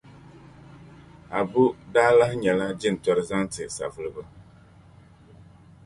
Abu n-daa lahi nyɛla jintori zaŋti Savulugu.